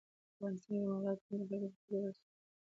افغانستان کې مورغاب سیند د خلکو د خوښې وړ ځای دی.